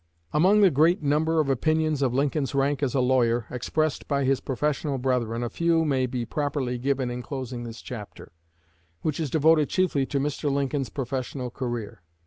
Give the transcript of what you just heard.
Among the great number of opinions of Lincoln's rank as a lawyer, expressed by his professional brethren, a few may properly be given in closing this chapter, which is devoted chiefly to Mr. Lincoln's professional career.